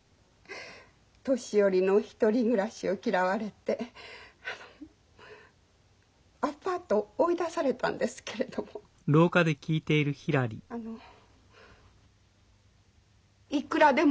年寄りの独り暮らしを嫌われてあのアパート追い出されたんですけれどもあのいくらでもいいんです。